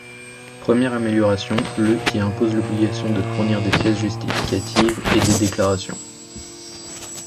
Première amélioration, le qui impose l'obligation de fournir des pièces justificatives et des déclarations.